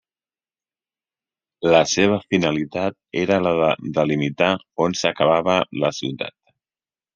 La seva finalitat era la de delimitar on s'acabava la ciutat.